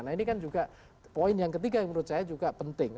nah ini kan juga poin yang ketiga yang menurut saya juga penting